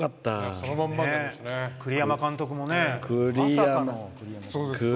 栗山監督も、まさかの。